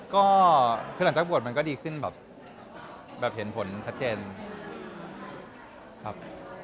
ก็คือหลังจากบวชมันก็ดีขึ้นแบบเห็นผลชัดเจนครับ